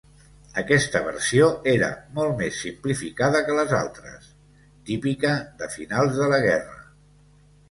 Aquesta versió era molt més simplificada que les altres, típica de finals de la guerra.